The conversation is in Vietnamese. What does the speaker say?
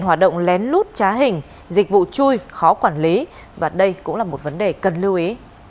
hoạt động lén lút trá hình dịch vụ chui khó quản lý và đây cũng là một vấn đề cần lưu ý